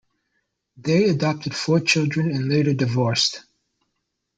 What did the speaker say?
They adopted four children and later divorced.